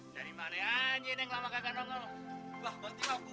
dari mana aja yang lama kagak nongol bahwa aku